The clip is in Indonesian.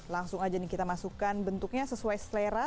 langsung aja kita masukkan bentuknya sesuai selera